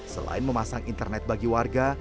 selain memasang internet bagi warga